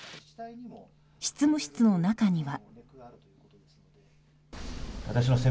執務室の中には。